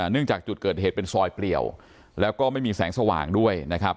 จากจุดเกิดเหตุเป็นซอยเปลี่ยวแล้วก็ไม่มีแสงสว่างด้วยนะครับ